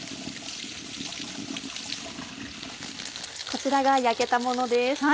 こちらが焼けたものです。